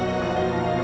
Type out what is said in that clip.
gak usah lo nyesel